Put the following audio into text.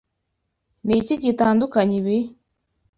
Ni iki gitandukanya ibi?